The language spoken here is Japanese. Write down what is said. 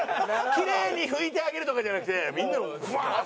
きれいに拭いてあげるとかじゃなくてみんなをブワッ！